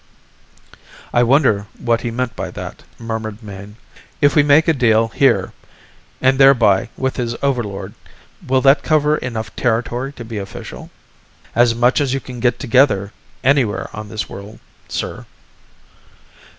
"I wonder what he meant by that," murmured Mayne. "If we make a deal here, and thereby with his overlord, will that cover enough territory to be official?" "As much as you can get together anywhere on this world, sir."